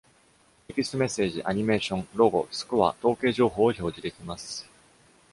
テキストメッセージ、アニメーション、ロゴ、スコア、統計情報を表示できます。